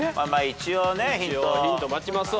一応ヒント待ちますわ。